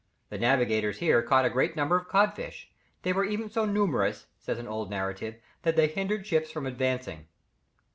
The navigators here caught a great number of cod fish; they were even so numerous, says an old narrative, that they hindered ships from advancing.